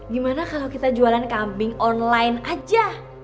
gimana kalau kita jualan kambing online aja